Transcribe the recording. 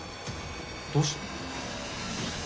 どうして？